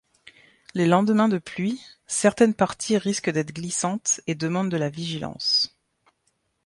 Les lendemains de pluie, certaines parties risquent d'êtres glissantes et demandent de la vigilance.